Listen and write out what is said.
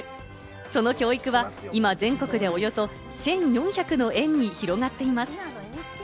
その教育は今、全国でおよそ１４００の園に広がっています。